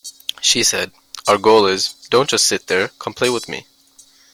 She said: "our goal is, don't just sit there - come play with me".